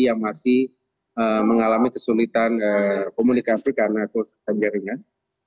yang masih mengalami kesulitan komunikasi karena kejaringan